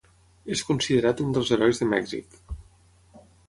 És considerat un dels herois de Mèxic.